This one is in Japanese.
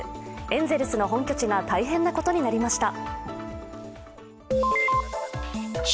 エンゼルスの本拠地が大変なことになりました。